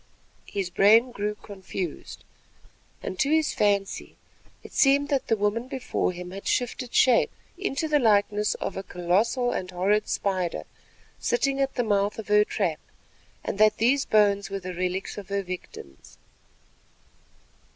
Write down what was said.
His brain grew confused, and to his fancy it seemed that the woman before him had shifted shape into the likeness of a colossal and horrid spider sitting at the mouth of her trap, and that these bones were the relics of her victims.